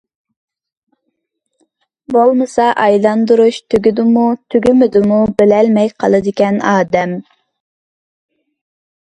بولمىسا ئايلاندۇرۇش تۈگىدىمۇ تۈگىمىدىمۇ بىلەلمەي قالىدىكەن ئادەم.